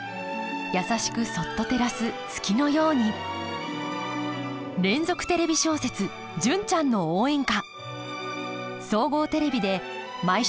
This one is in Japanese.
優しくそっと照らす月のように連続テレビ小説「純ちゃんの応援歌」。